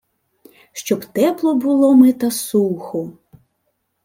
Щоб тепло було ми та сухо.